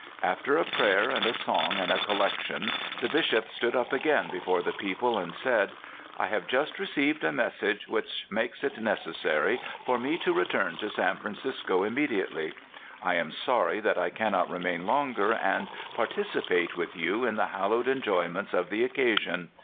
After a prayer and a song and a collection, the Bishop stood up again before the people, and said: "I have just received a message which makes it nec essary for me to return to San Francisco immedi ately. I am sorry that I cannot remain longer, and participate with you in the hallowed enjoy ments of the occasion.